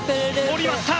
下りました！